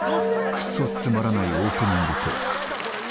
くそつまらないオープニングトーク。